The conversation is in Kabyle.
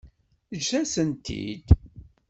Eǧǧ-asent-tent-id.